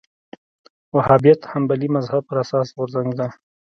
وهابیت حنبلي مذهب پر اساس غورځنګ دی